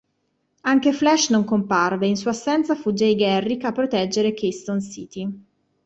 Anche Flash non comparve: in sua assenza fu Jay Garrick a proteggere Keystone City.